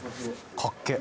かっけえ